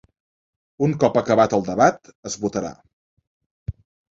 Un cop acabat el debat, es votarà.